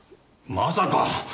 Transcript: まさか！